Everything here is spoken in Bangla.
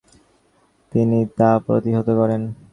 তিনি তা প্রতিহত করেন।